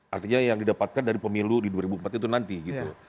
artinya yang didapatkan dari pemilu di dua ribu empat itu nanti gitu